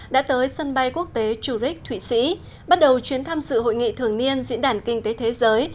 đã tới sân bay quốc tế trurich thụy sĩ bắt đầu chuyến thăm sự hội nghị thường niên diễn đàn kinh tế thế giới